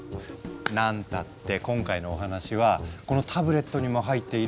なんたって今回のお話はこのタブレットにも入っている半導体なんですから！